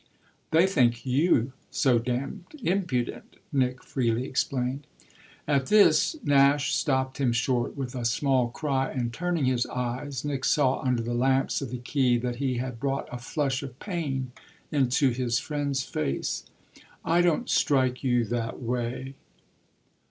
"They think you so damned impudent," Nick freely explained. At this Nash stopped him short with a small cry, and, turning his eyes, Nick saw under the lamps of the quay that he had brought a flush of pain into his friend's face. "I don't strike you that way?"